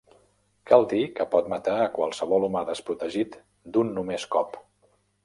Cal dir que pot matar a qualsevol humà desprotegit d'un només colp.